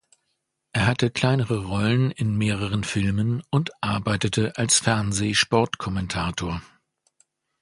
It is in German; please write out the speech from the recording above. Er hatte kleinere Rollen in mehreren Filmen und arbeitete als Fernseh-Sportkommentator.